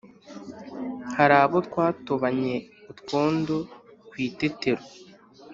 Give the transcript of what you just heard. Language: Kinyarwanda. hari abo twatobanye utwondo kw’itetero